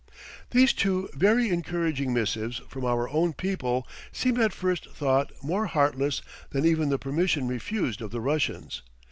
These two very encouraging missives from our own people seem at first thought more heartless than even the "permission refused" of the Russians.